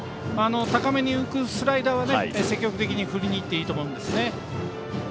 高めに浮くスライダーは積極的に振りにいっていいと思うんですね。